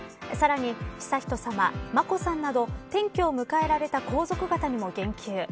さらに悠仁さま、眞子さんなど転機を迎えられた皇族方にも言及。